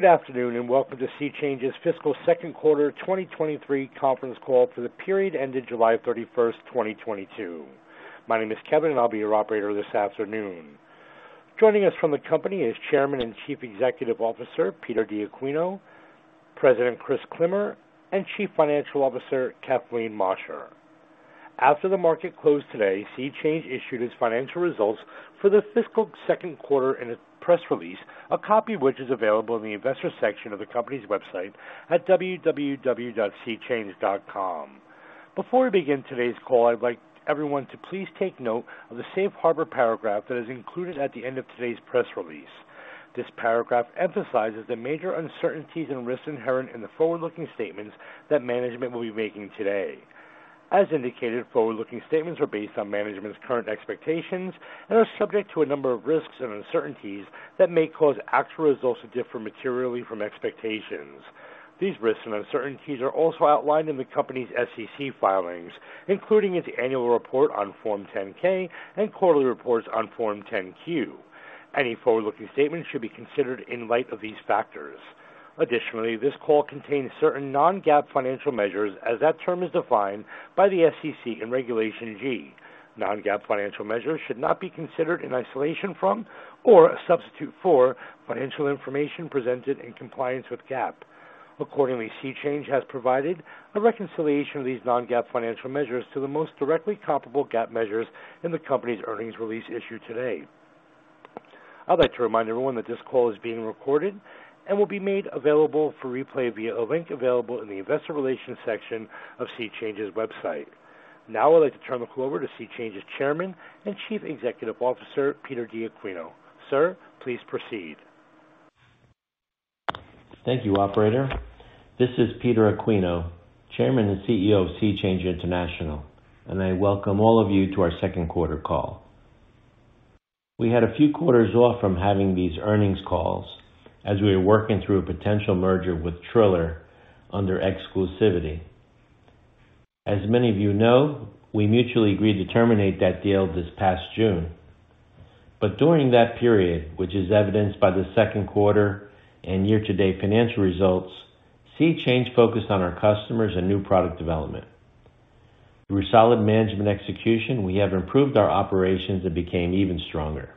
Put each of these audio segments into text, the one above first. Good afternoon, and welcome to SeaChange's Fiscal Second Quarter 2023 Conference Call for the period ended July 31st, 2022. My name is Kevin, and I'll be your operator this afternoon. Joining us from the company is Chairman and Chief Executive Officer, Peter D. Aquino, President, Christoph Klimmer, and Chief Financial Officer, Kathleen Mosher. After the market closed today, SeaChange issued its financial results for the fiscal second quarter in a press release, a copy of which is available in the Investors section of the company's website at www.seachange.com. Before we begin today's call, I'd like everyone to please take note of the safe harbor paragraph that is included at the end of today's press release. This paragraph emphasizes the major uncertainties and risks inherent in the forward-looking statements that management will be making today. As indicated, forward-looking statements are based on management's current expectations and are subject to a number of risks and uncertainties that may cause actual results to differ materially from expectations. These risks and uncertainties are also outlined in the company's SEC filings, including its annual report on Form 10-K and quarterly reports on Form 10-Q. Any forward-looking statements should be considered in light of these factors. Additionally, this call contains certain non-GAAP financial measures as that term is defined by the SEC in Regulation G. Non-GAAP financial measures should not be considered in isolation from or a substitute for financial information presented in compliance with GAAP. Accordingly, SeaChange has provided a reconciliation of these non-GAAP financial measures to the most directly comparable GAAP measures in the company's earnings release issued today. I'd like to remind everyone that this call is being recorded and will be made available for replay via a link available in the Investor Relations section of SeaChange's website. Now I'd like to turn the call over to SeaChange's Chairman and Chief Executive Officer, Peter D. Aquino. Sir, please proceed. Thank you, operator. This is Peter Aquino, Chairman and CEO of SeaChange International, and I welcome all of you to our second quarter call. We had a few quarters off from having these earnings calls as we were working through a potential merger with Triller under exclusivity. As many of you know, we mutually agreed to terminate that deal this past June. During that period, which is evidenced by the second quarter and year-to-date financial results, SeaChange focused on our customers and new product development. Through solid management execution, we have improved our operations and became even stronger.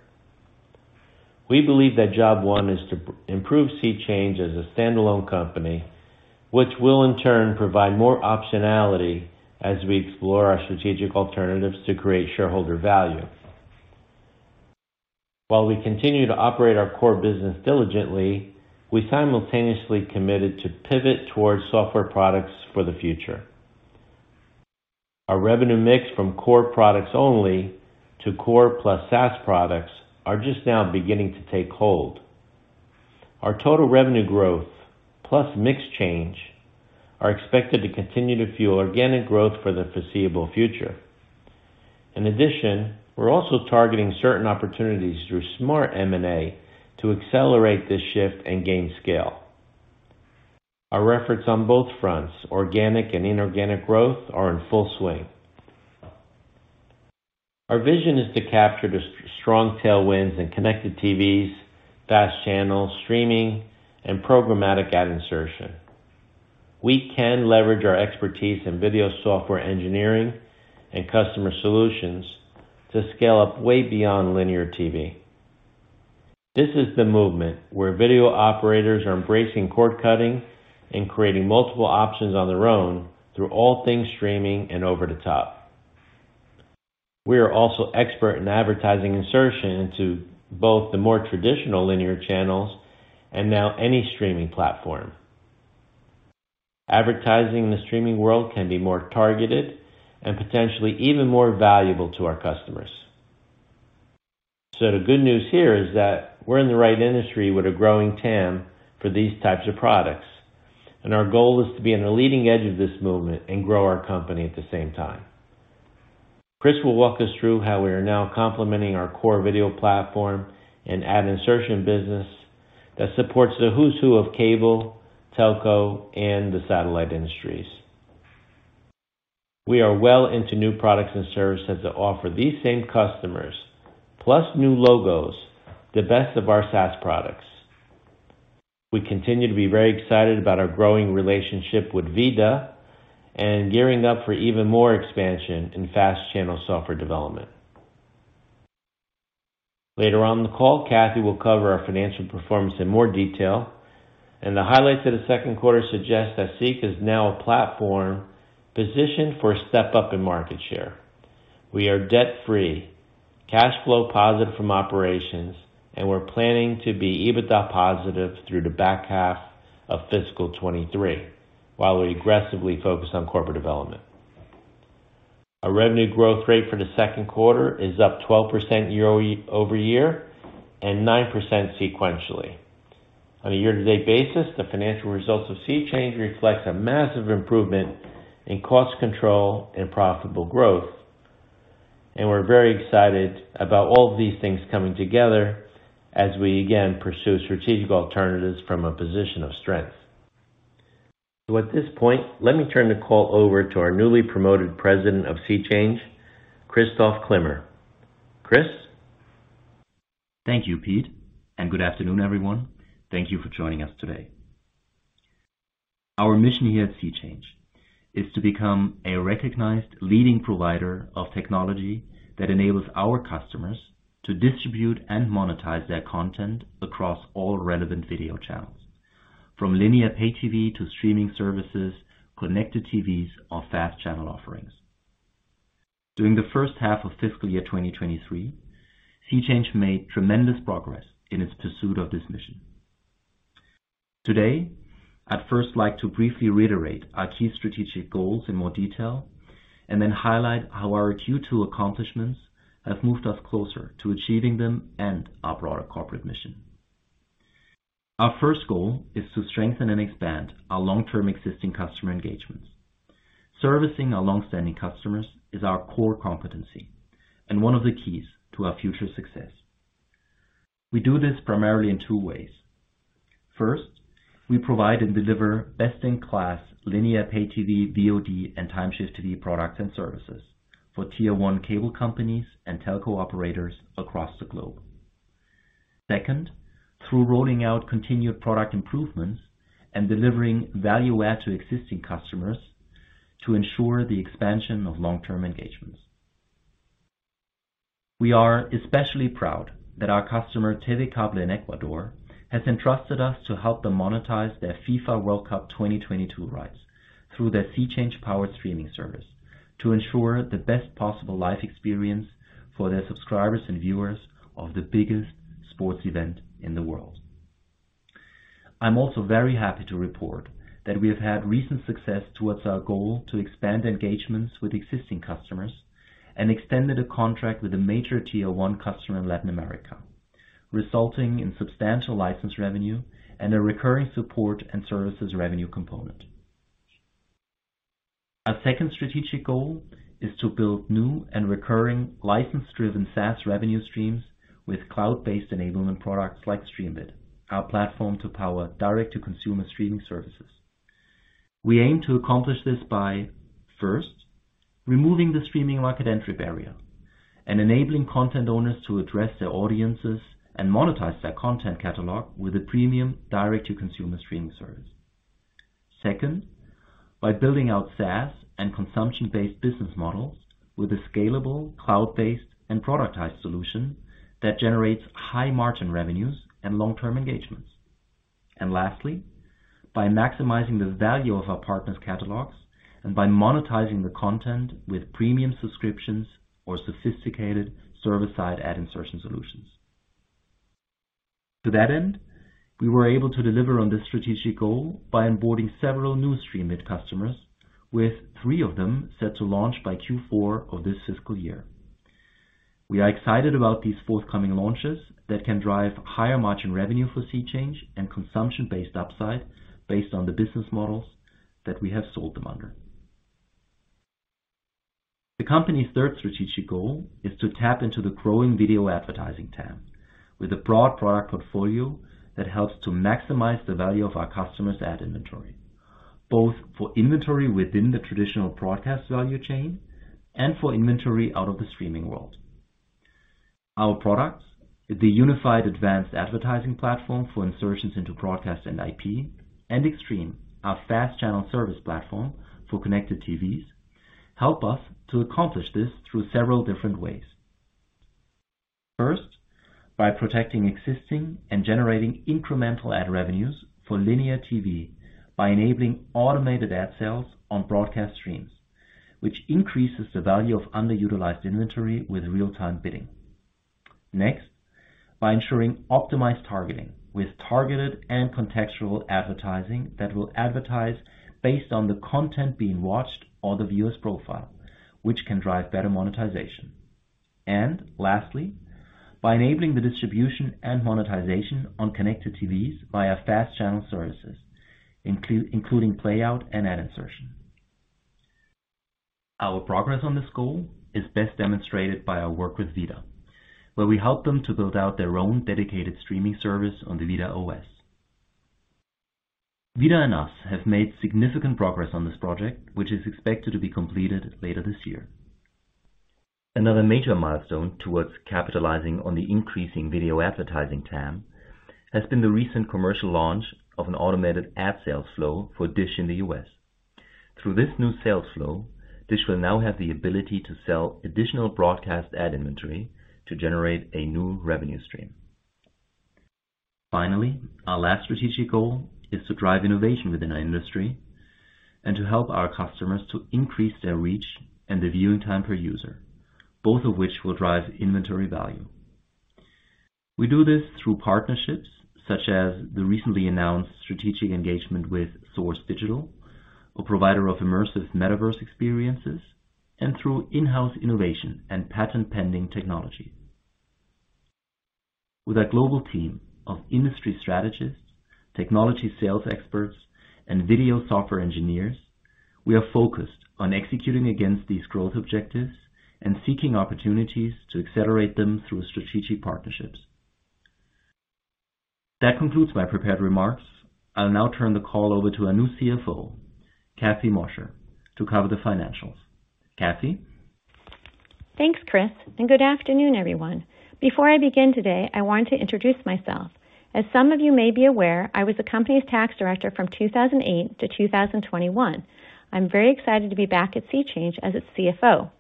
We believe that job one is to improve SeaChange as a standalone company, which will in turn provide more optionality as we explore our strategic alternatives to create shareholder value. While we continue to operate our core business diligently, we simultaneously committed to pivot towards software products for the future. Our revenue mix from core products only to core plus SaaS products are just now beginning to take hold. Our total revenue growth plus mix change are expected to continue to fuel organic growth for the foreseeable future. In addition, we're also targeting certain opportunities through smart M&A to accelerate this shift and gain scale. Our efforts on both fronts, organic and inorganic growth, are in full swing. Our vision is to capture the strong tailwinds in connected TVs, FAST channels, streaming, and programmatic ad insertion. We can leverage our expertise in video software engineering and customer solutions to scale up way beyond linear TV. This is the movement where video operators are embracing cord cutting and creating multiple options on their own through all things streaming and over-the-top. We are also expert in advertising insertion into both the more traditional linear channels and now any streaming platform. Advertising in the streaming world can be more targeted and potentially even more valuable to our customers. The good news here is that we're in the right industry with a growing TAM for these types of products, and our goal is to be on the leading edge of this movement and grow our company at the same time. Chris will walk us through how we are now complementing our core video platform and ad insertion business that supports the who's who of cable, telco, and the satellite industries. We are well into new products and services to offer these same customers, plus new logos, the best of our SaaS products. We continue to be very excited about our growing relationship with VIDAA and gearing up for even more expansion in FAST channel software development. Later on in the call, Kathy will cover our financial performance in more detail, and the highlights of the second quarter suggest that SeaChange is now a platform positioned for a step up in market share. We are debt-free, cash flow positive from operations, and we're planning to be EBITDA positive through the back half of fiscal 2023, while we aggressively focus on corporate development. Our revenue growth rate for the second quarter is up 12% year-over-year and 9% sequentially. On a year-to-date basis, the financial results of SeaChange reflects a massive improvement in cost control and profitable growth, and we're very excited about all of these things coming together as we again pursue strategic alternatives from a position of strength. At this point, let me turn the call over to our newly promoted President of SeaChange, Christoph Klimmer. Chris? Thank you, Pete, and good afternoon, everyone. Thank you for joining us today. Our mission here at SeaChange is to become a recognized leading provider of technology that enables our customers to distribute and monetize their content across all relevant video channels, from linear pay TV to streaming services, connected TVs or fast channel offerings. During the first half of fiscal year 2023, SeaChange made tremendous progress in its pursuit of this mission. Today, I'd first like to briefly reiterate our key strategic goals in more detail and then highlight how our Q2 accomplishments have moved us closer to achieving them and our broader corporate mission. Our first goal is to strengthen and expand our long-term existing customer engagements. Servicing our long-standing customers is our core competency and one of the keys to our future success. We do this primarily in two ways. First, we provide and deliver best-in-class linear pay TV, VOD, and time shift TV products and services for tier one cable companies and telco operators across the globe. Second, through rolling out continued product improvements and delivering value add to existing customers to ensure the expansion of long-term engagements. We are especially proud that our customer, Grupo TVCable in Ecuador, has entrusted us to help them monetize their FIFA World Cup 2022 rights through their SeaChange-powered streaming service to ensure the best possible live experience for their subscribers and viewers of the biggest sports event in the world. I'm also very happy to report that we have had recent success towards our goal to expand engagements with existing customers and extended a contract with a major tier one customer in Latin America, resulting in substantial license revenue and a recurring support and services revenue component. Our second strategic goal is to build new and recurring license-driven SaaS revenue streams with cloud-based enablement products like StreamVid, our platform to power direct-to-consumer streaming services. We aim to accomplish this by, first, removing the streaming market entry barrier and enabling content owners to address their audiences and monetize their content catalog with a premium direct-to-consumer streaming service. Second, by building out SaaS and consumption-based business models with a scalable, cloud-based and productized solution that generates high-margin revenues and long-term engagements. And lastly, by maximizing the value of our partners' catalogs and by monetizing the content with premium subscriptions or sophisticated server-side ad insertion solutions. To that end, we were able to deliver on this strategic goal by onboarding several new StreamVid customers, with three of them set to launch by Q4 of this fiscal year. We are excited about these forthcoming launches that can drive higher-margin revenue for SeaChange and consumption-based upside based on the business models that we have sold them under. The company's third strategic goal is to tap into the growing video advertising TAM with a broad product portfolio that helps to maximize the value of our customers' ad inventory, both for inventory within the traditional broadcast value chain and for inventory out of the streaming world. Our products, the unified advanced advertising platform for insertions into broadcast and IP, and Xstream, our FAST channel service platform for connected TVs, help us to accomplish this through several different ways. First, by protecting existing and generating incremental ad revenues for linear TV by enabling automated ad sales on broadcast streams, which increases the value of underutilized inventory with real-time bidding. Next, by ensuring optimized targeting with targeted and contextual advertising that will advertise based on the content being watched or the viewer's profile, which can drive better monetization. Lastly, by enabling the distribution and monetization on Connected TVs via FAST channel services, including playout and ad insertion. Our progress on this goal is best demonstrated by our work with VIDAA, where we help them to build out their own dedicated streaming service on the VIDAA OS. VIDAA and us have made significant progress on this project, which is expected to be completed later this year. Another major milestone towards capitalizing on the increasing video advertising TAM has been the recent commercial launch of an automated ad sales flow for DISH in the U.S. Through this new sales flow, DISH will now have the ability to sell additional broadcast ad inventory to generate a new revenue stream. Finally, our last strategic goal is to drive innovation within our industry and to help our customers to increase their reach and the viewing time per user, both of which will drive inventory value. We do this through partnerships such as the recently announced strategic engagement with Source Digital, a provider of immersive metaverse experiences, and through in-house innovation and patent-pending technology. With our global team of industry strategists, technology sales experts, and video software engineers, we are focused on executing against these growth objectives and seeking opportunities to accelerate them through strategic partnerships. That concludes my prepared remarks. I'll now turn the call over to our new CFO, Kathy Mosher, to cover the financials. Kathy? Thanks, Chris, and good afternoon, everyone. Before I begin today, I want to introduce myself. As some of you may be aware, I was the company's tax director from 2008 to 2021. I'm very excited to be back at SeaChange as its CFO.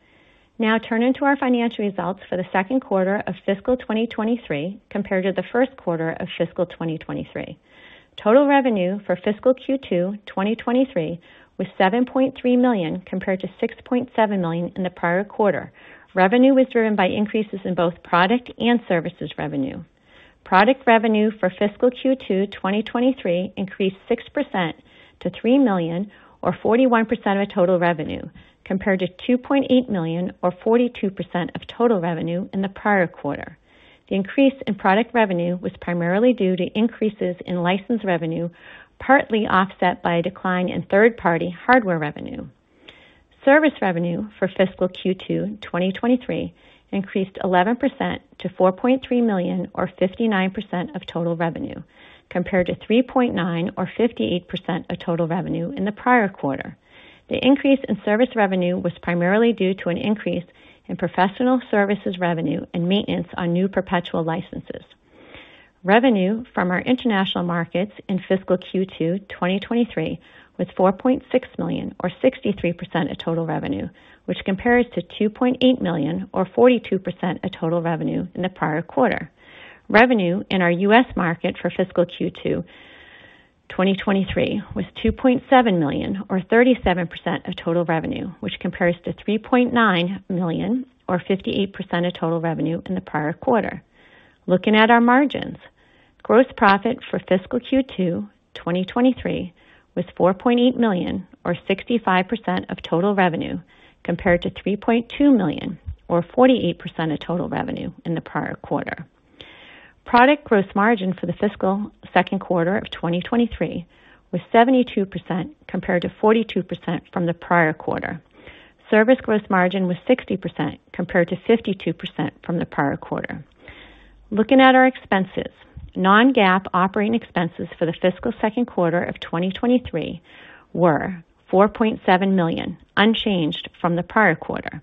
Now turning to our financial results for the second quarter of fiscal 2023 compared to the first quarter of fiscal 2023. Total revenue for fiscal Q2 2023 was $7.3 million compared to $6.7 million in the prior quarter. Revenue was driven by increases in both product and services revenue. Product revenue for fiscal Q2 2023 increased 6% to $3 million or 41% of total revenue, compared to $2.8 million or 42% of total revenue in the prior quarter. The increase in product revenue was primarily due to increases in license revenue, partly offset by a decline in third-party hardware revenue. Service revenue for fiscal Q2 2023 increased 11% to $4.3 million, or 59% of total revenue, compared to $3.9 million or 58% of total revenue in the prior quarter. The increase in service revenue was primarily due to an increase in professional services revenue and maintenance on new perpetual licenses. Revenue from our international markets in fiscal Q2 2023 was $4.6 million or 63% of total revenue, which compares to $2.8 million or 42% of total revenue in the prior quarter. Revenue in our U.S. market for fiscal Q2 2023 was $2.7 million or 37% of total revenue, which compares to $3.9 million or 58% of total revenue in the prior quarter. Looking at our margins. Gross profit for fiscal Q2 2023 was $4.8 million or 65% of total revenue, compared to $3.2 million or 48% of total revenue in the prior quarter. Product gross margin for the fiscal second quarter of 2023 was 72% compared to 42% from the prior quarter. Service gross margin was 60% compared to 52% from the prior quarter. Looking at our expenses. non-GAAP operating expenses for the fiscal second quarter of 2023 were $4.7 million, unchanged from the prior quarter.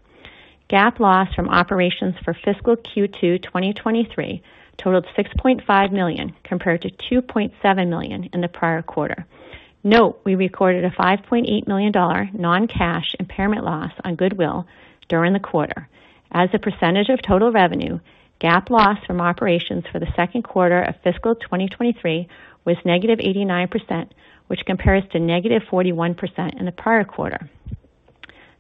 GAAP loss from operations for fiscal Q2 2023 totaled $6.5 million compared to $2.7 million in the prior quarter. Note, we recorded a $5.8 million non-cash impairment loss on goodwill during the quarter. As a percentage of total revenue, GAAP loss from operations for the second quarter of fiscal 2023 was -89%, which compares to -41% in the prior quarter.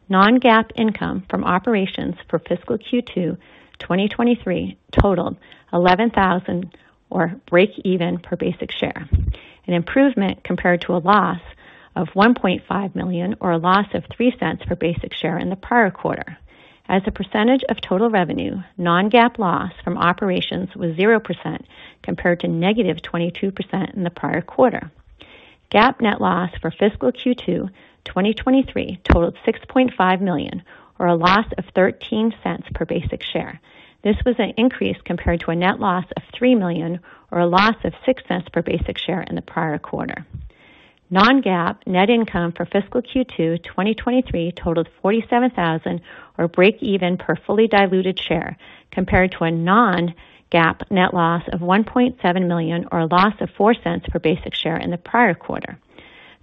Non-GAAP income from operations for fiscal Q2 2023 totaled $11,000 or breakeven per basic share, an improvement compared to a loss of $1.5 million or a loss of $0.03 per basic share in the prior quarter. As a percentage of total revenue, non-GAAP loss from operations was 0% compared to -22% in the prior quarter. GAAP net loss for fiscal Q2 2023 totaled $6.5 million or a loss of $0.13 per basic share. This was an increase compared to a net loss of $3 million or a loss of $0.06 per basic share in the prior quarter. Non-GAAP net income for fiscal Q2 2023 totaled $47,000 or breakeven per fully diluted share, compared to a non-GAAP net loss of $1.7 million or a loss of $0.04 per basic share in the prior quarter.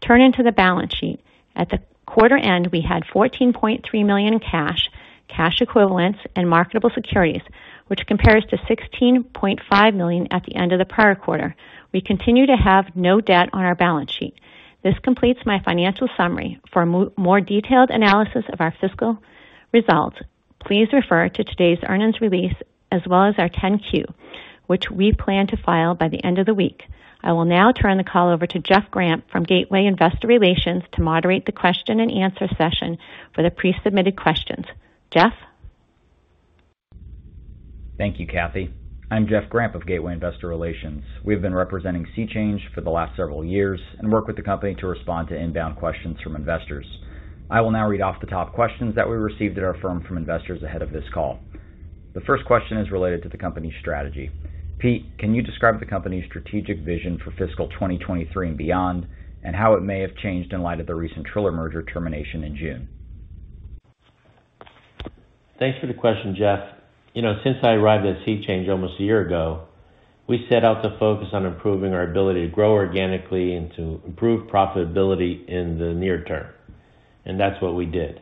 Turning to the balance sheet. At the quarter end, we had $14.3 million in cash equivalents and marketable securities, which compares to $16.5 million at the end of the prior quarter. We continue to have no debt on our balance sheet. This completes my financial summary. For more detailed analysis of our fiscal results, please refer to today's earnings release as well as our 10-Q, which we plan to file by the end of the week. I will now turn the call over to Jeff Grampp from Gateway Investor Relations to moderate the question and answer session for the pre-submitted questions. Jeff? Thank you, Kathy. I'm Jeff Grampp of Gateway Investor Relations. We've been representing SeaChange for the last several years and work with the company to respond to inbound questions from investors. I will now read off the top questions that we received at our firm from investors ahead of this call. The first question is related to the company's strategy. Pete, can you describe the company's strategic vision for fiscal 2023 and beyond, and how it may have changed in light of the recent Triller merger termination in June? Thanks for the question, Jeff. You know, since I arrived at SeaChange almost a year ago, we set out to focus on improving our ability to grow organically and to improve profitability in the near term. That's what we did.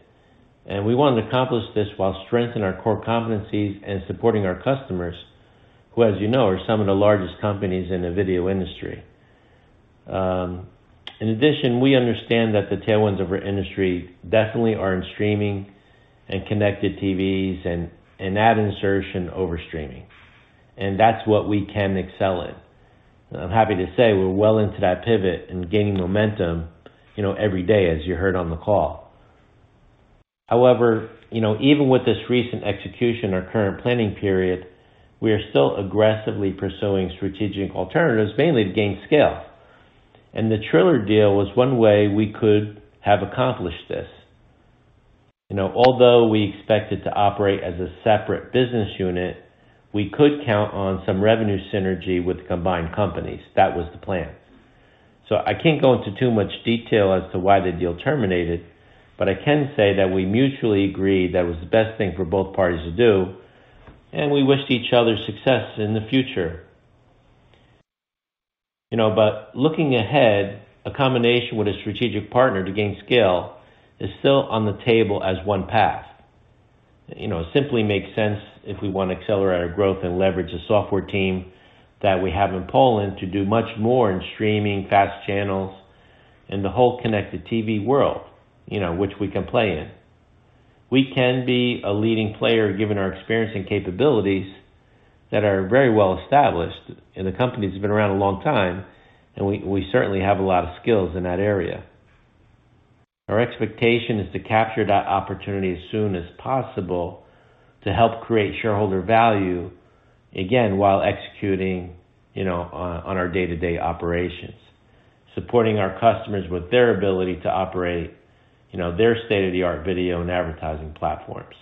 We want to accomplish this while strengthening our core competencies and supporting our customers who, as you know, are some of the largest companies in the video industry. In addition, we understand that the tailwinds of our industry definitely are in streaming and connected TVs and ad insertion over streaming, and that's what we can excel in. I'm happy to say we're well into that pivot and gaining momentum, you know, every day, as you heard on the call. However, you know, even with this recent execution, our current planning period, we are still aggressively pursuing strategic alternatives, mainly to gain scale. The Triller deal was one way we could have accomplished this. You know, although we expected to operate as a separate business unit, we could count on some revenue synergy with combined companies. That was the plan. I can't go into too much detail as to why the deal terminated, but I can say that we mutually agreed that was the best thing for both parties to do, and we wished each other success in the future. You know, looking ahead, a combination with a strategic partner to gain scale is still on the table as one path. You know, it simply makes sense if we wanna accelerate our growth and leverage the software team that we have in Poland to do much more in streaming fast channels and the whole connected TV world, you know, which we can play in. We can be a leading player given our experience and capabilities that are very well established, and the company's been around a long time, and we certainly have a lot of skills in that area. Our expectation is to capture that opportunity as soon as possible to help create shareholder value again while executing, you know, on our day-to-day operations. Supporting our customers with their ability to operate, you know, their state-of-the-art video and advertising platforms.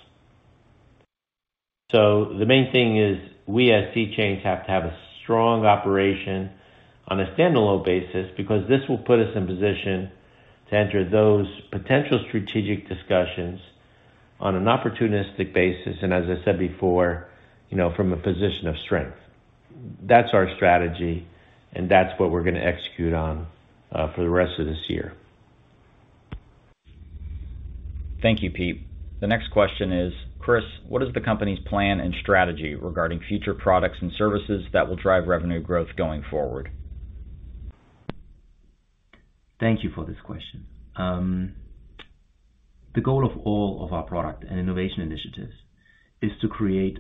The main thing is we as SeaChange have to have a strong operation on a standalone basis because this will put us in position to enter those potential strategic discussions on an opportunistic basis, and as I said before, you know, from a position of strength. That's our strategy, and that's what we're gonna execute on for the rest of this year. Thank you, Pete. The next question is, Chris, what is the company's plan and strategy regarding future products and services that will drive revenue growth going forward? Thank you for this question. The goal of all of our product and innovation initiatives is to create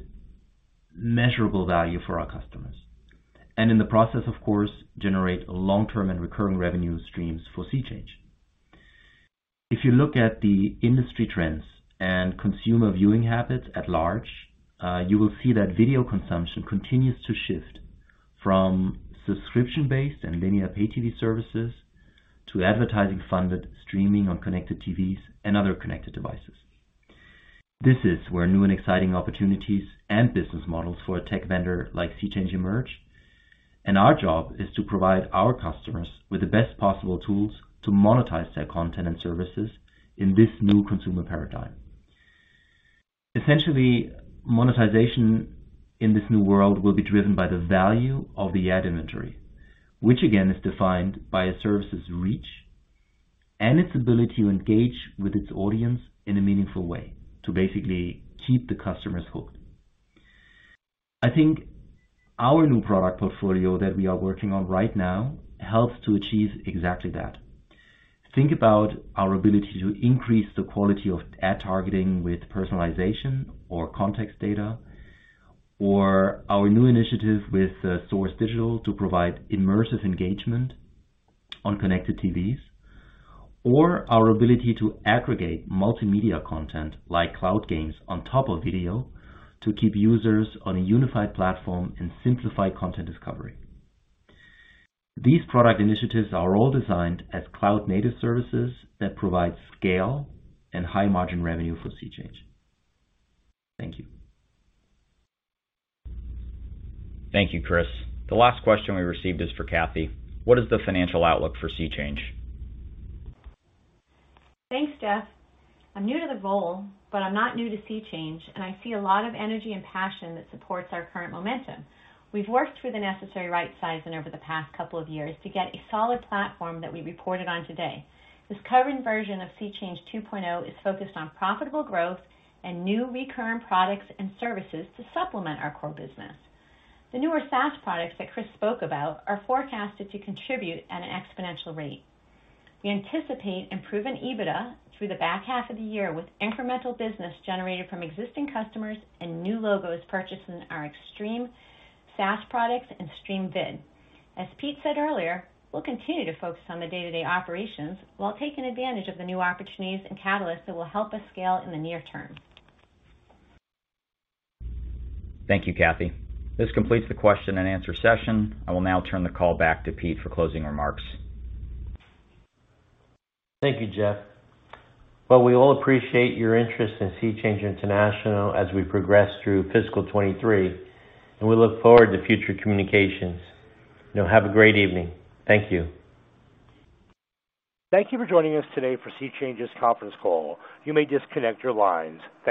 measurable value for our customers. In the process, of course, generate long-term and recurring revenue streams for SeaChange. If you look at the industry trends and consumer viewing habits at large, you will see that video consumption continues to shift from subscription-based and linear pay TV services to advertising-funded streaming on connected TVs and other connected devices. This is where new and exciting opportunities and business models for a tech vendor like SeaChange emerge, and our job is to provide our customers with the best possible tools to monetize their content and services in this new consumer paradigm. Essentially, monetization in this new world will be driven by the value of the ad inventory, which again, is defined by a service's reach and its ability to engage with its audience in a meaningful way to basically keep the customers hooked. I think our new product portfolio that we are working on right now helps to achieve exactly that. Think about our ability to increase the quality of ad targeting with personalization or context data, or our new initiative with Source Digital to provide immersive engagement on connected TVs, or our ability to aggregate multimedia content like cloud games on top of video to keep users on a unified platform and simplify content discovery. These product initiatives are all designed as cloud-native services that provide scale and high margin revenue for SeaChange. Thank you. Thank you, Chris. The last question we received is for Kathy. What is the financial outlook for SeaChange? Thanks, Jeff. I'm new to the role, but I'm not new to SeaChange, and I see a lot of energy and passion that supports our current momentum. We've worked through the necessary right sizing over the past couple of years to get a solid platform that we reported on today. This current version of SeaChange 2.0 is focused on profitable growth and new recurring products and services to supplement our core business. The newer SaaS products that Chris spoke about are forecasted to contribute at an exponential rate. We anticipate improving EBITDA through the back half of the year with incremental business generated from existing customers and new logos purchasing our Xstream SaaS products and StreamVid. As Pete said earlier, we'll continue to focus on the day-to-day operations while taking advantage of the new opportunities and catalysts that will help us scale in the near term. Thank you, Kathy. This completes the question and answer session. I will now turn the call back to Pete for closing remarks. Thank you, Jeff. Well, we all appreciate your interest in SeaChange International as we progress through fiscal 2023, and we look forward to future communications. You know, have a great evening. Thank you. Thank you for joining us today for SeaChange's conference call. You may disconnect your lines.